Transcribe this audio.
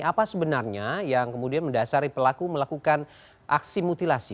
apa sebenarnya yang kemudian mendasari pelaku melakukan aksi mutilasi